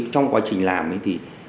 trong quá trình làm ấy thì